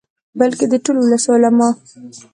بلکې د ټول ولس، علماؤ.